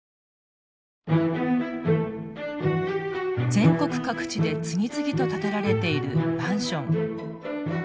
全国各地で次々と建てられているマンション。